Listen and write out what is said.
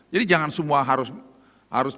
jadi jangan semua harus